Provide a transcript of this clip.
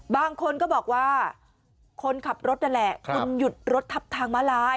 บางคนก็บอกว่าคนขับรถนั่นแหละคุณหยุดรถทับทางมาลาย